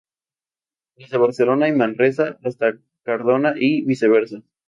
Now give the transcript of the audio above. Desde Barcelona y Manresa hasta Cardona y viceversa.